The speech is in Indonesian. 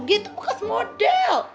dia itu bekas model